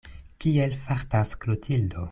Kiel fartas Klotildo?